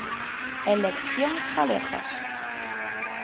Eleccións Galegas.